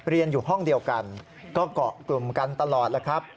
เรียนอยู่ห้องเดียวกันก็เกาะกลุ่มกันตลอดแล้วครับ